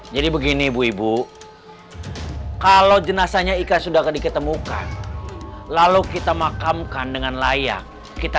jadi begini ibu kalau jenazahnya ika sudah ketemu lalu kita makamkan dengan layak kita